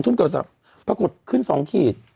๒ทุ่มเกิดสรรพปรากฏขึ้น๒ขีด